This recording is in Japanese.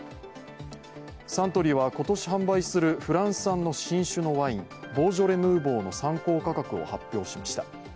サントリーは今年販売するフランス産の新酒のワインボージョレ・ヌーボーの参考価格を発表しました。